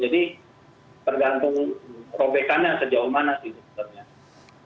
jadi tergantung probekannya sejauh mana sih